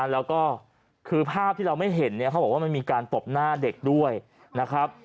แล้วก็คือภาพที่เราไม่เห็นเนี่ยเขาบอกว่ามันมีการตบหน้าเด็กด้วยนะครับ